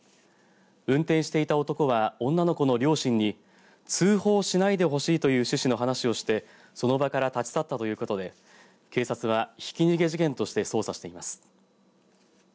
運転していた男は女の子の両親に通報しないでほしいという趣旨の話をしてその場から立ち去ったということで警察はひき逃げ事件として捜査しています。